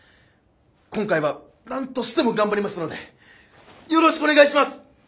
今回は何としても頑張りますのでよろしくお願いします！